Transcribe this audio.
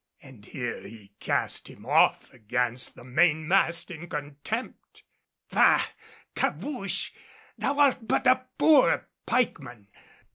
And here he cast him off against the main mast in contempt. "Bah! Cabouche, thou art but a poor pikeman.